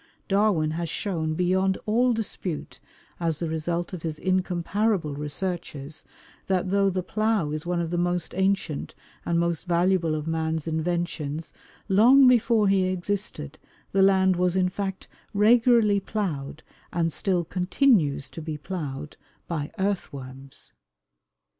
Darwin has shown beyond all dispute, as the result of his incomparable researches, that though "the plough is one of the most ancient and most valuable of man's inventions, long before he existed the land was in fact regularly ploughed, and still continues to be ploughed, by earthworms."